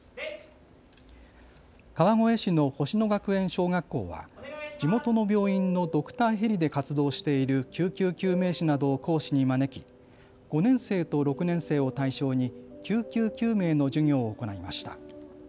川越市の星野学園小学校は地元の病院のドクターヘリで活動している救急救命士などを講師に招き５年生と６年生を対象に救急救命の授業を行いました。